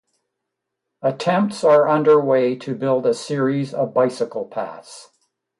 Attempts are underway to build a series of bicycle paths.